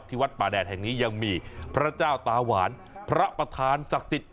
วัดป่าแดดแห่งนี้ยังมีพระเจ้าตาหวานพระประธานศักดิ์สิทธิ